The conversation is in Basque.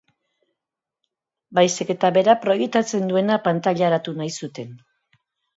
Baizik eta berak proiektatzen duena pantailaratu nahi zuten.